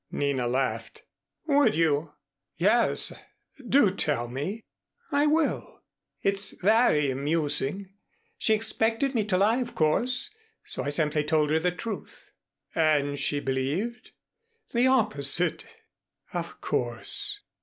Nina laughed. "Would you?" "Yes, do tell me." "I will. It's very amusing. She expected me to lie, of course. So I simply told her the truth." "And she believed " "The opposite." "Of course."